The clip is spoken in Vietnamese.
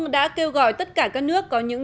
đã kêu gọi tất cả các nước có những